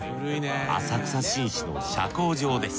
浅草紳士の社交場です